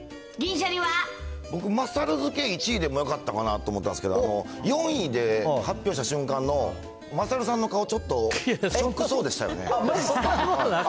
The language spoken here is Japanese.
僕、まさる漬け、１位でもよかったかなと思ったんですけど、４位で発表した瞬間のまさるさんの顔、ちょっと、ショックそうでしたよね。